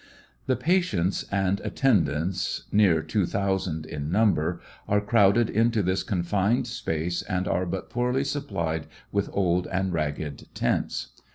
The patients and attendants, near two thousand in number, are crowded into this confined space and are but poorly supplied with old and ragged tents.